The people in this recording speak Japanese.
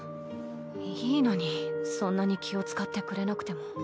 いいのにそんなに気を遣ってくれなくても。